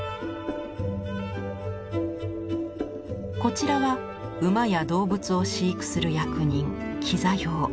こちらは馬や動物を飼育する役人跪座俑。